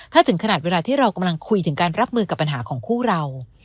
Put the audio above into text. ถ้าถึงขนาดเวลาที่เรากำลังคุยถึงการรับมือกับปัญหาของคู่เรา